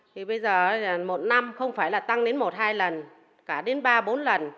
thì bây giờ một năm không phải là tăng đến một hai lần cả đến ba bốn lần